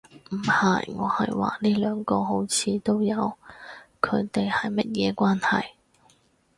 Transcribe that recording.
唔係。我係話呢兩個好像都有，佢地係乜嘢關係